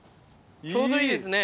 ちょうどいいですね。